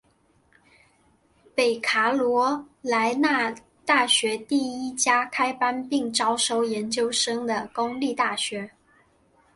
北卡罗来纳大学第一家开班并招收研究生的公立大学。